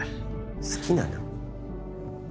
好きなの？